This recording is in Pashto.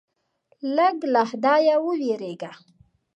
لږ له خدایه ووېرېږه.